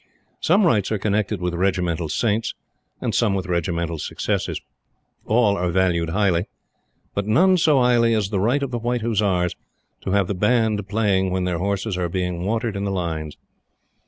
Some rights are connected with regimental saints, and some with regimental successes. All are valued highly; but none so highly as the right of the White Hussars to have the Band playing when their horses are being watered in the Lines.